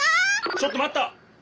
ちょっとまった！